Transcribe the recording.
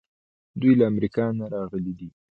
دوی له امریکا نه راغلي دي.